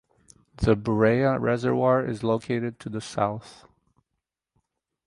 The Bureya reservoir is located to the south.